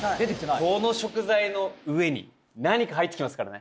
この食材の上に何か入ってきますからね